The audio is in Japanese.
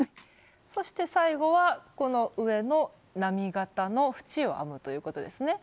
そして最後はこの上の波形の縁を編むということですね。